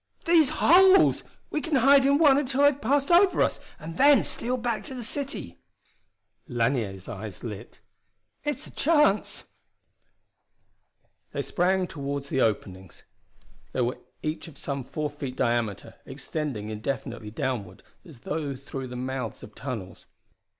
"These holes! We can hide in one until they've passed over us, and then steal back to the city!" Lanier's eyes lit. "It's a chance!" They sprang toward the openings. They were each of some four feet diameter, extending indefinitely downward as though the mouths of tunnels.